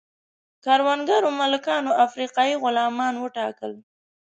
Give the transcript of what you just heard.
کروندو مالکانو افریقایي غلامان وټاکل.